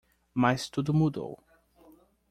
Mas tudo mudou.